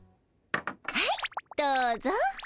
はいどうぞ。